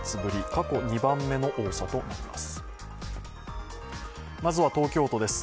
過去２番目の多さとなります。